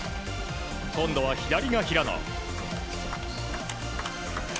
今度は左が平野。